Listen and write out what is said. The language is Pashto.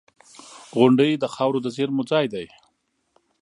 • غونډۍ د خاورو د زېرمو ځای دی.